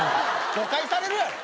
誤解されるやろ。